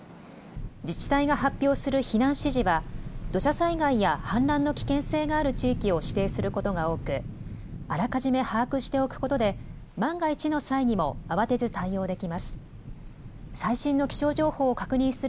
自治体が発表する避難指示は、土砂災害や氾濫の危険性がある地域を指定することが多く、あらかじめ把握しておくことで、万が一の際にも慌てず対応できます。